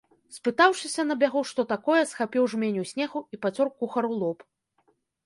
Спытаўшыся на бягу, што такое, схапіў жменю снегу і пацёр кухару лоб.